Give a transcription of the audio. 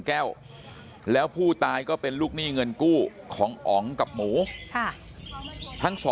แก้วแล้วผู้ตายก็เป็นลูกหนี้เงินกู้ของอ๋องกับหมูทั้ง๒